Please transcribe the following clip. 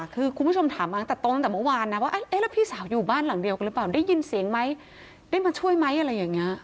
คือคุณผู้ชมถามมาตั้งแต่ต้นตั้งแต่เมื่อวานนะว่าเอ๊ะแล้วพี่สาวอยู่บ้านหลังเดียวกันหรือเปล่าได้ยินเสียงไหมได้มาช่วยไหมอะไรอย่างนี้